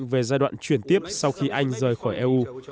về giai đoạn chuyển tiếp sau khi anh rời khỏi eu